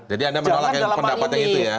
jadi anda menolak pendapat yang itu ya